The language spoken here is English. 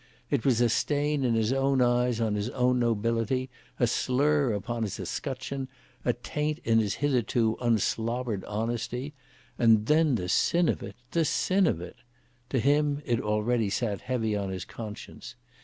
It was a stain in his own eyes on his own nobility, a slur upon his escutcheon, a taint in his hitherto unslobbered honesty, and then the sin of it; the sin of it! To him it already sat heavy on his conscience.